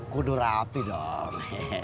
kudur api dong